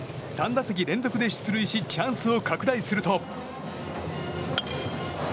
３打席連続で出塁しチャンスを拡大すると。